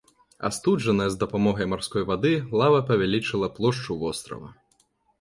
Астуджаная з дапамогай марской вады лава павялічыла плошчу вострава.